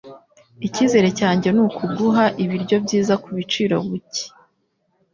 Icyizere cyanjye nukuguha ibiryo byiza kubiciro buke.